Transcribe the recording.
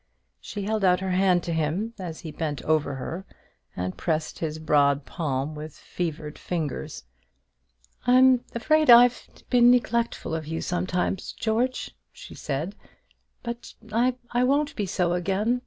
She held out her hand to him as he bent over her, and pressed his broad palm with her feverish fingers. "I'm afraid I've been neglectful of you sometimes, George," she said; "but I won't be so again.